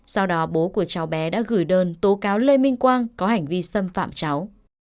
sau đó bố của cháu bé đã gửi đơn tố cáo lê minh quang có hành vi xâm phạm cháu